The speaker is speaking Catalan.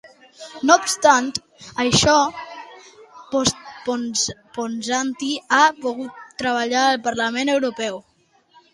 No obstant això, Ponsatí ha pogut treballar al Parlament Europeu?